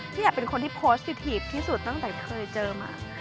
อยากเป็นคนที่โพสต์ติดทีฟที่สุดตั้งแต่เคยเจอมา